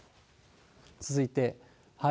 続いて。